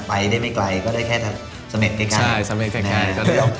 ไปได้ไม่ไกลก็ได้แค่สำเร็จใกล้สำเร็จ